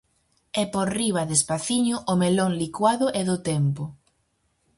E por riba, despaciño, o melón licuado e do tempo.